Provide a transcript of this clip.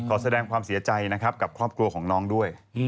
ขอแสดงความเสียใจกับครอบครัวของน้องด้วย